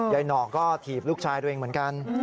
หนอกก็ถีบลูกชายตัวเองเหมือนกัน